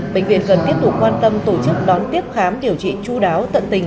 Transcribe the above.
bệnh viện cần tiếp tục quan tâm tổ chức đón tiếp khám điều trị chú đáo tận tình